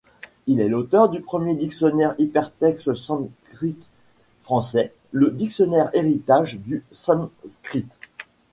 Il est l’auteur du premier dictionnaire hypertexte Sanskrit-Français, le Dictionnaire Héritage du Sanskrit.